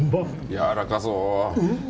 やわらかそう。